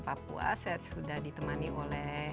papua saya sudah ditemani oleh